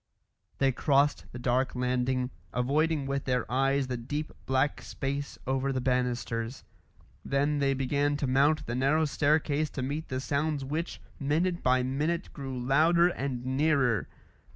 They crossed the dark landing, avoiding with their eyes the deep black space over the banisters. Then they began to mount the narrow staircase to meet the sounds which, minute by minute, grew louder and nearer.